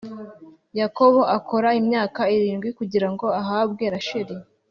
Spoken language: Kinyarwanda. Yakobo akora imyaka irindwi kugira ngo ahabwe Rasheli